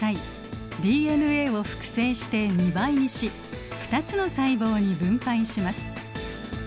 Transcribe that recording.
ＤＮＡを複製して２倍にし２つの細胞に分配します。